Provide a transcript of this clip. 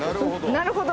なるほど。